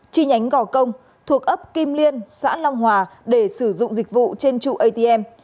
chi nhánh gò công thuộc ấp kim liên xã long hòa để sử dụng dịch vụ trên trụ atm